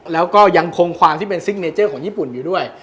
แล้วก็ยังคงความที่เป็นซิกเนเจอร์ของญี่ปุ่นอยู่ด้วย